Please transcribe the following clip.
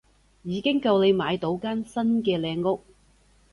已經夠你買到間新嘅靚屋